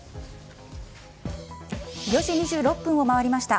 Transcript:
４時２６分を回りました。